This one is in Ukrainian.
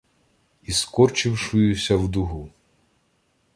Іскорчившуюся в дугу.